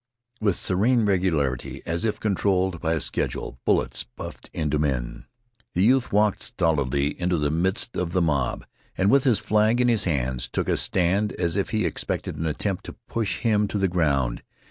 With serene regularity, as if controlled by a schedule, bullets buffed into men. The youth walked stolidly into the midst of the mob, and with his flag in his hands took a stand as if he expected an attempt to push him to the ground.